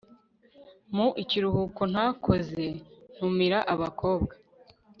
mu ikiruhuko ntakoze ntumira abakobwa